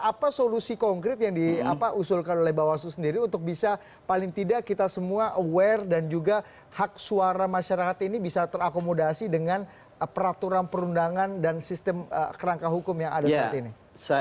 apa solusi konkret yang diusulkan oleh bawaslu sendiri untuk bisa paling tidak kita semua aware dan juga hak suara masyarakat ini bisa terakomodasi dengan peraturan perundangan dan sistem kerangka hukum yang ada seperti ini